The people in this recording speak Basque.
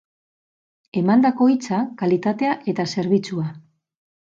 Emandako hitza, kalitatea eta zerbitzua.